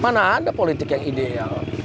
mana ada politik yang ideal